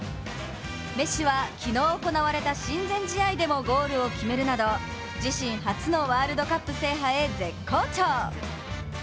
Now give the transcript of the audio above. メッシは昨日行われた親善試合でもゴールを決めるなど自身初のワールドカップ制覇へ絶好調。